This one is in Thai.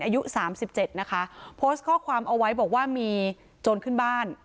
อายุสามสิบเจ็ดนะคะโพสต์ข้อความเอาไว้บอกว่ามีโจรขึ้นบ้าน